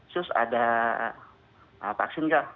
sus ada vaksin nggak